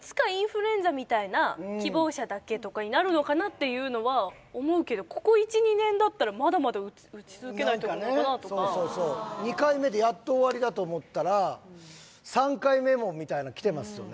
希望者だけとかになるのかなっていうのは思うけどここ１２年だったらまだまだ打ち続けないとなのかなとか２回目でやっと終わりだと思ったら３回目もみたいなのきてますよね？